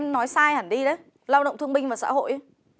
nói sai hẳn đi đấy lao động thương binh và xã hội